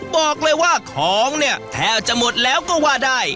บอกเลยว่าของเนี่ยแทบจะหมดแล้วก็ว่าได้